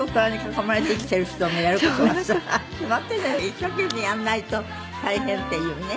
一生懸命やらないと大変っていうね。